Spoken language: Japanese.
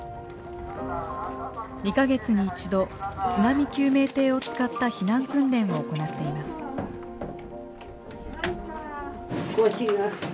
２か月に１度津波救命艇を使った避難訓練を行っています。